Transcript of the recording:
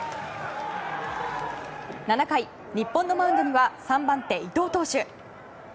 ７回、日本のマウンドには３番手、伊藤投手。